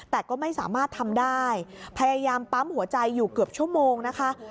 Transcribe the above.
แต่ก็ไม่สามารถทำได้พยายามปั๊มหัวใจอยู่เกือบชั่วโมงนะคะ